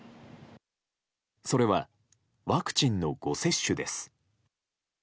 それは、ワクチンの誤接種です。